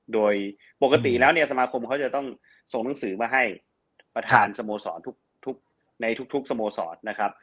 โดยปกติแล้วเนี่ยสมาคมเขาจะต้องส่งหนังสือมาให้ประธานสโมสรทุกในทุกสโมสรนะครับ